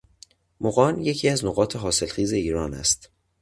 مغان یکی از نقاط حاصلخیز ایران است.